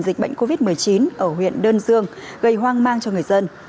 dịch bệnh covid một mươi chín ở huyện đơn dương gây hoang mang cho người dân